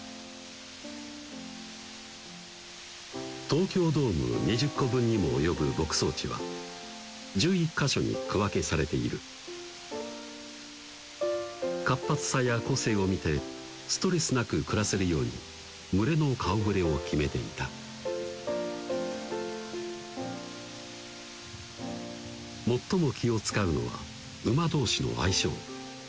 東京ドーム２０個分にも及ぶ牧草地は１１か所に区分けされている活発さや個性を見てストレスなく暮らせるように群れの顔ぶれを決めていた最も気を遣うのは馬同士の相性